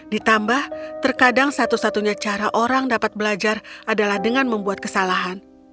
ditambah terkadang satu satunya cara orang dapat belajar adalah dengan membuat kesalahan